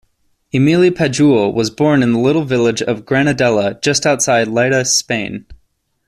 Emili Pujol was born in the little village of Granadella just outside Lleida, Spain.